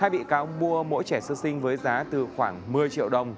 hai bị cáo mua mỗi trẻ sơ sinh với giá từ khoảng một mươi triệu đồng